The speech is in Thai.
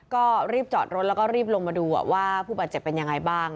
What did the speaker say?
ก็รีบจอดรถแล้วก็รีบลงมาดูว่าผู้บาดเจ็บเป็นยังไงบ้าง